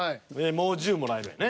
もう１０もらえるんやね。